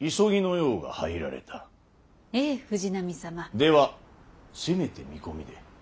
ではせめて見込みで。